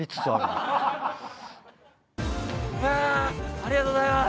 ありがとうございます。